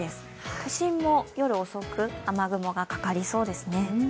都心も夜遅く、雨雲がかかりそうですね。